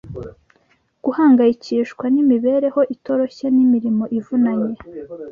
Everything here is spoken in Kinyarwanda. guhangayikishwa n’imibereho itoroshye n’imirimo ivunanye.